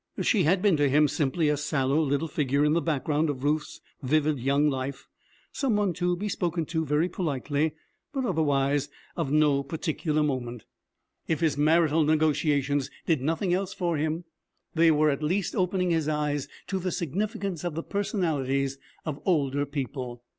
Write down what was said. She had been to him simply a sallow little figure in the background of Ruth's vivid young life; someone to be spoken to very politely, but otherwise of no particular moment. If his marital negotiations did nothing else for him, they were at least opening his eyes to the significance of the personalities of older people.